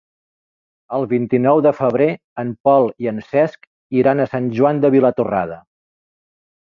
El vint-i-nou de febrer en Pol i en Cesc iran a Sant Joan de Vilatorrada.